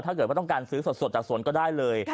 ถ้าเกิดว่าต้องการซื้อสดจากสวนก็ได้เลย